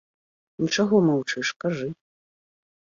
Ну, чаго маўчыш, кажы.